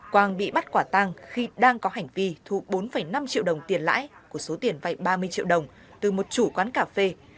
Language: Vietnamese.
quang bị bắt quả tăng khi đang có hành vi thu bốn năm triệu đồng tiền lãi của số tiền vay ba mươi triệu đồng từ một chủ quán cà phê